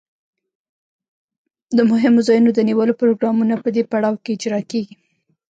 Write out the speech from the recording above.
د مهمو ځایونو د نیولو پروګرامونه په دې پړاو کې اجرا کیږي.